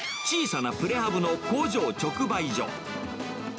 小さなプレハブの工場直売所。